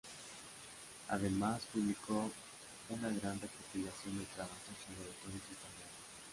Además publicó una gran recopilación de trabajos sobre autores italianos.